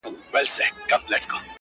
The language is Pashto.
مسیحا چي مي اکسیر جو کړ ته نه وې-